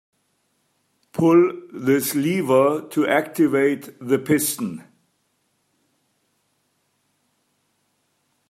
Pull this lever to activate the piston.